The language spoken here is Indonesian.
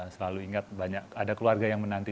selalu ingat banyak ada keluarga yang menanti